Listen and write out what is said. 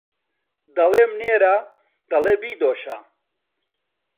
دەڵێم نێرە دەڵێ بیدۆشە